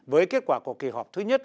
với kết quả của kỳ họp thứ nhất